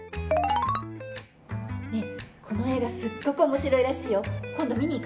ねえ、この映画すごくおもしろいらしいよ。